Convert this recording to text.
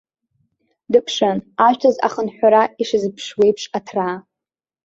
Дыԥшын, ажәҵыс ахынҳәра ишазыԥшуеиԥш аҭра.